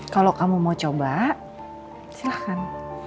kalau kamu mau coba silahkan